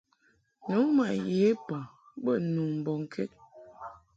Nu ma ye bɔŋ bə nu mbɔŋkɛd.